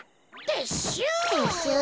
てっしゅう。